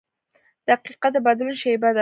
• دقیقه د بدلون شیبه ده.